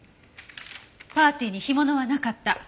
パーティーに干物はなかった。